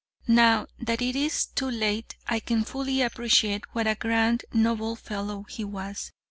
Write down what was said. "'Now, that it is too late, I can fully appreciate what a grand, noble fellow he was.